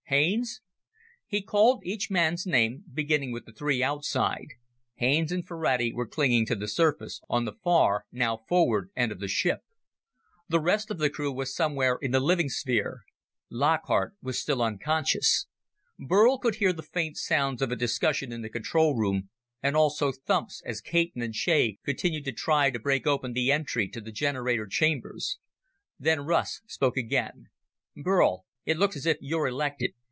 Haines?" He called each man's name, beginning with the three outside. Haines and Ferrati were clinging to the surface, on the far now forward end of the ship. The rest of the crew was somewhere in the living sphere. Lockhart was still unconscious. Burl could hear the faint sounds of a discussion in the control room, and also thumps as Caton and Shea continued to try to break open the entry to the generator chambers. Then Russ spoke again. "Burl, it looks as if you're elected.